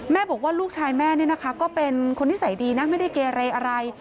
แม่บอกว่าลูกชายแม่คือนิสัยดีเนอะไม่ได้เกไร